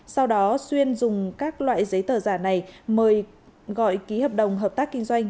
sau đó xuyên dùng các loại giấy tờ giả này mời gọi ký hợp đồng hợp tác kinh doanh